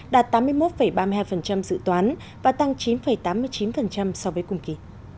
đạt tám mươi một ba mươi hai dự toán và tăng chín tám mươi chín so với cùng kỳ